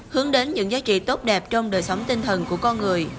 hướng đến những giá trị tốt đẹp trong đời sống tinh thần của con người